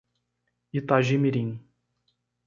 Itagimirim